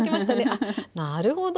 あなるほど！